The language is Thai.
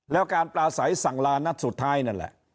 แล้วการปลาใสสั่งลานัดสุดท้ายนั่นแหละ